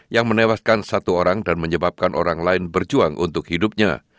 yang menewaskan satu orang dan menyebabkan orang lain berjuang untuk hidupnya